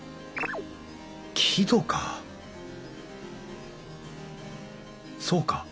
木戸かそうか！